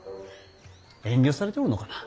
遠慮されておるのかな。